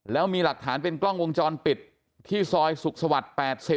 แล้วมีหลักฐานเป็นกล้องวงจรปิดที่ซอยสุขสวรรค์๘๐